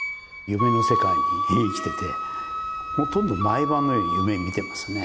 夢の世界に生きててほとんど毎晩のように夢見てますね。